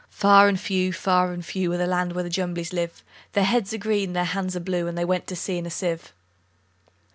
Far and few, far and few, Are the lands where the Jumblies live: Their heads are green, and their hands are blue; And they went to sea in a sieve.